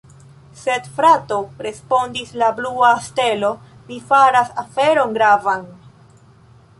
Sed frato, respondis la blua stelo, mi faras aferon gravan!